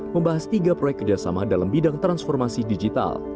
membahas tiga proyek kerjasama dalam bidang transformasi digital